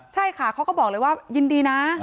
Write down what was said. ใช่ค่ะเขาก็บอกเลยว่ายินดีนะ